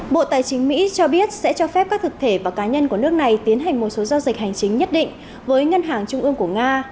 bộ tài chính mỹ cho biết sẽ cho phép các thực thể và cá nhân của nước này tiến hành một số giao dịch hành chính nhất định với ngân hàng trung ương của nga